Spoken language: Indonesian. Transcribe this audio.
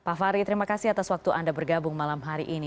pak fahri terima kasih atas waktu anda bergabung malam hari ini